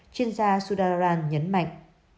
chuyên gia sudha raran nhấn mạnh